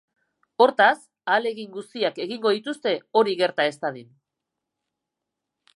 Hortaz, ahalegin guztiak egingo dituzte hori gerta ez dadin.